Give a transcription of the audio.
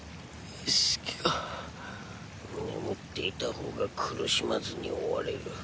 眠っていた方が苦しまずに終われる。